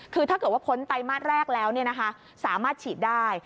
คือถ้าเกิดว่าพ้นไตรมาสแรกแล้วสามารถฉีดได้